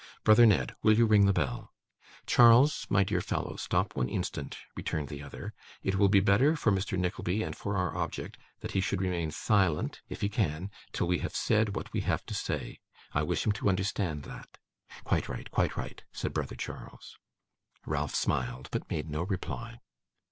Brother Ned, will you ring the bell?' 'Charles, my dear fellow! stop one instant,' returned the other. 'It will be better for Mr. Nickleby and for our object that he should remain silent, if he can, till we have said what we have to say. I wish him to understand that.' 'Quite right, quite right,' said brother Charles. Ralph smiled, but made no reply.